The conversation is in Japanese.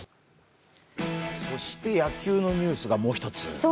そして野球のニュースがもう一つ。